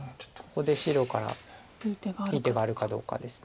ここで白からいい手があるかどうかです。